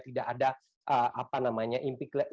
tidak ada apa namanya impian